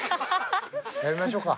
やめましょうか。